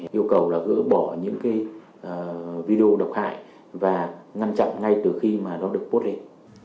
yêu cầu là gỡ bỏ những cái video độc hại và ngăn chặn ngay từ khi mà nó được post lên